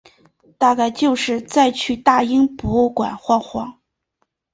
大概就是再去大英博物馆晃晃